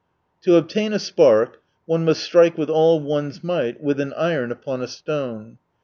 — To obtain a spark, one must Strike with all one's might with an iron upon a stone.